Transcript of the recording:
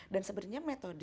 dan sebetulnya metode itu